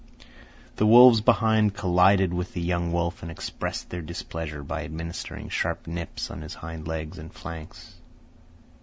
The wolves behind collided with the young wolf and expressed their displeasure by administering sharp nips on his hind legs and flanks.